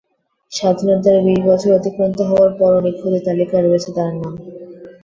স্বাধীনতার বিশ বছর অতিক্রান্ত হওয়ার পরও নিখোঁজের তালিকায় রয়েছে তাঁর নাম।